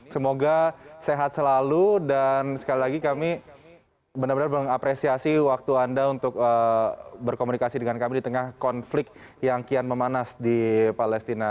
semoga sehat selalu dan sekali lagi kami benar benar mengapresiasi waktu anda untuk berkomunikasi dengan kami di tengah konflik yang kian memanas di palestina